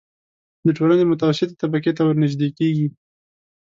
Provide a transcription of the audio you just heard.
د ټولنې متوسطې طبقې ته ورنژدې کېږي.